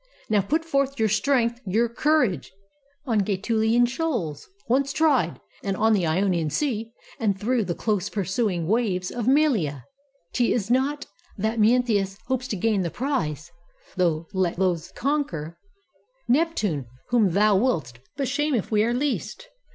Now put forth Your strength, your courage, on Gaetulian shoals Once tried, and on the Ionian sea, and through The close pursuing waves of Malea. 'T is not that Mnestheus hopes to gain the prize, — Though let those conquer, Neptune, whom thou will'st. But shame if we are least!